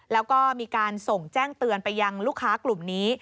แล้วก็มีการส่งแจ้งเตือนไปยังลูกค้ากลุ่มนี้